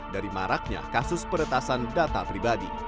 dari maraknya kasus peretasan data pribadi